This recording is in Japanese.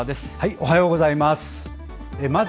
おはようございます。